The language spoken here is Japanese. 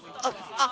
あっ！